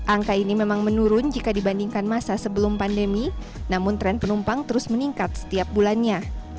angka ini memang menurun jika dibandingkan masa sebelum pandemi namun tren penumpang terus meningkat setiap bulannya